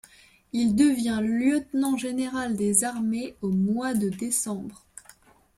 Il devient lieutenant-général des armées au mois de décembre.